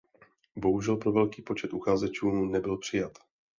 Bohužel pro velký počet uchazečů nebyl přijat.